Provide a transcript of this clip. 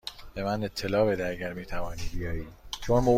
به من اطلاع بده اگر می توانی بیایی.